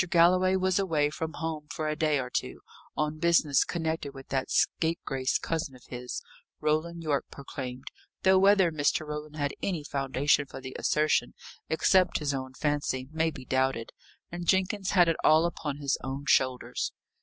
Galloway was away from home for a day or two on business connected with that scapegrace cousin of his, Roland Yorke proclaimed; though whether Mr. Roland had any foundation for the assertion, except his own fancy, may be doubted and Jenkins had it all upon his own shoulders.